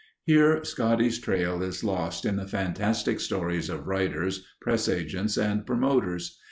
Here Scotty's trail is lost in the fantastic stories of writers, press agents, and promoters.